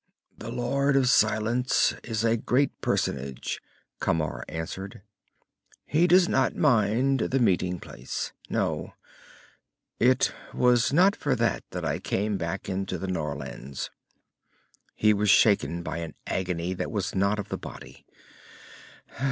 "The Lord of Silence is a great personage," Camar answered. "He does not mind the meeting place. No. It was not for that I came back into the Norlands." He was shaken by an agony that was not of the body.